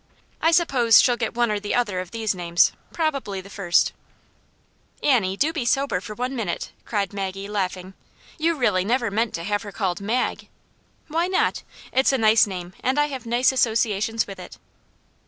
I suppose shell get one or the other of these names; probably the first." Aunt Jane's Hero. 221 "Annie, do be sober for one minute," cried Maggie, laughing. "You really never meant to have her called *Mag?'" " Why not ? It's a nice name, and I have nice associations with it."